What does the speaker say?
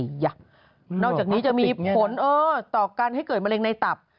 นอกจากนี้จะมีผลต่อการให้เกิดมะเร็งในตับ